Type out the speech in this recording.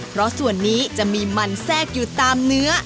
เพราะส่วนนี้จะมีมันแทรกอยู่ตามเนื้อ